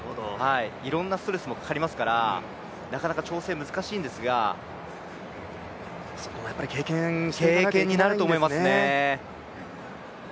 いろんなストレスもかかりますからなかなか調整難しいんですが経験になると思いますね。